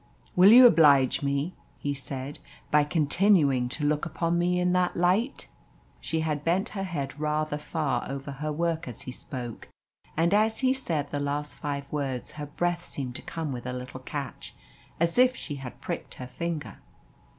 "Will you oblige me," he said, "by continuing to look upon me in that light?" She had bent her head rather far over her work as he spoke, and as he said the last five words her breath seemed to come with a little catch, as if she had pricked her finger.